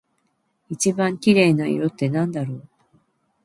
一番綺麗な色ってなんだろう？